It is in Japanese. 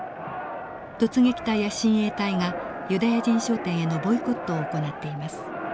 突撃隊や親衛隊がユダヤ人商店へのボイコットを行っています。